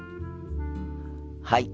はい。